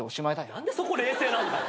何でそこ冷静なんだよ。